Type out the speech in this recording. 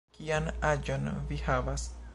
Kian aĝon vi havas?